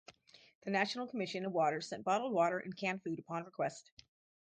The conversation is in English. The National Commission of Water sent bottled water and canned food upon request.